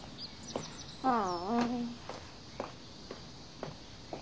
ああ。